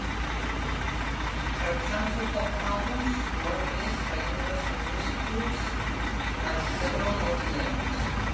Her Cantopop albums were released by Universal Music Group and several local labels.